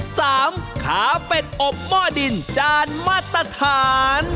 สามขาเป็ดอบหม้อดินจานมาตรฐาน